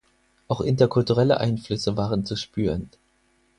Auch interkulturelle Einflüsse waren zu spüren.